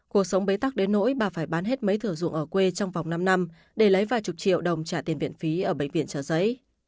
cuộc sống bế tắc đến nỗi bà phải bán hết mấy thử dụng ở quê trong vòng năm năm để lấy vài chục triệu đồng trả tiền viện phí ở bệnh viện trợ giấy